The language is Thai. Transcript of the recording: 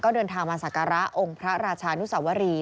เดินทางมาศักระองค์พระราชานุสวรี